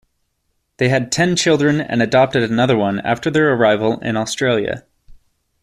They had ten children and adopted another one after their arrival in Australia.